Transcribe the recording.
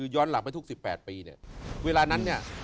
ย้อนหลังไม่ถึง๑๘ปี